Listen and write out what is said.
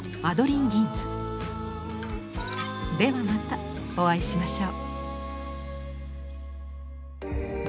ではまたお会いしましょう。